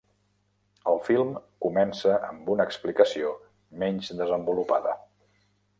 El film comença amb una explicació menys desenvolupada.